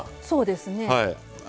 そうですね。